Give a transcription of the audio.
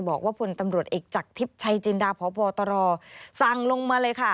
บอกว่าผลตำรวจเอกจากทิพย์ชัยจินดาพบตรสั่งลงมาเลยค่ะ